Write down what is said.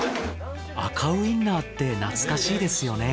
赤ウインナーって懐かしいですよね。